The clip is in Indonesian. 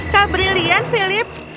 kau keren philip